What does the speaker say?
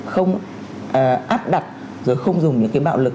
không áp đặt rồi không dùng những cái bạo lực